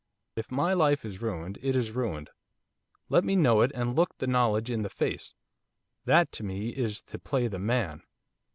If my life is ruined it is ruined, let me know it, and look the knowledge in the face. That, to me, is to play the man.